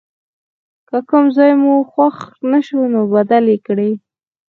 که کوم ځای مو خوښ نه شو نو بدل یې کړئ.